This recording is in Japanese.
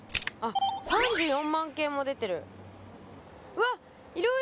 ３４万件も出てる。